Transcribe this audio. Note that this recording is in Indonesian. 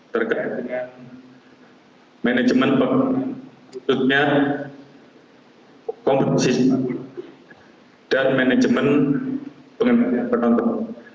terkait dengan manajemen penutupnya kompetisi dan manajemen penonton